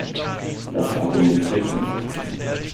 Das Argument trägt nicht.